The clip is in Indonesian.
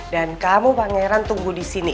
dan kamu pangeran tunggu di sini